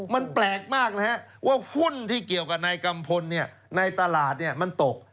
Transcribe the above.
มันแปลกมากนะฮะว่าหุ้นที่เกี่ยวกับนายกัมพลในตลาดมันตก